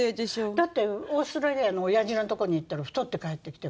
だってオーストラリアのおやじのとこに行ったら太って帰ってきて。